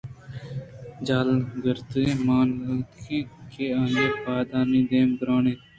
جہل ءَ گرد گرد ءَ مان داتگ اَت کہ آئی ءِ پادانی دیمءَ گِرّان اَت